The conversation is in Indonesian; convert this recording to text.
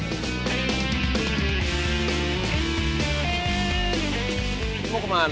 lo mau kemana